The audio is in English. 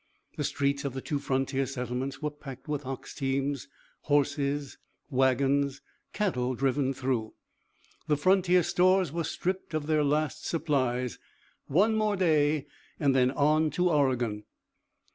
The streets of the two frontier settlements were packed with ox teams, horses, wagons, cattle driven through. The frontier stores were stripped of their last supplies. One more day, and then on to Oregon!